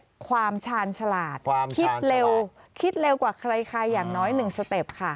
เลขความชาญฉลาดคิดเร็วกว่าใครอย่างน้อย๑สเต็ปค่ะความชาญฉลาด